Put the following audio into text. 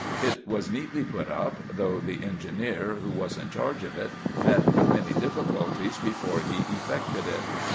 It was neatly put up, though the en gineer, who was in charge of it, met with many difficulties before he effected it.